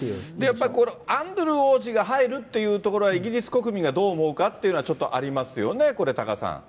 やっぱ、アンドルー王子が入るっていうところは、イギリス国民がどう思うかっていうのは、ちょっとありますよね、これ、多賀さん。